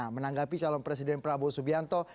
menanggapi calon presiden prabowo subianto